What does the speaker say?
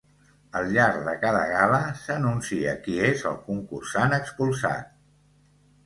Al llarg de cada gala s'anuncia qui és el concursant expulsat.